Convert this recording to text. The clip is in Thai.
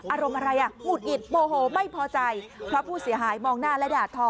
อารมณ์อะไรอ่ะหงุดหงิดโมโหไม่พอใจเพราะผู้เสียหายมองหน้าและด่าทอ